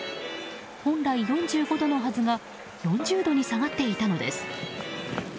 本来４５度のはずが４０度に下がっていたのです。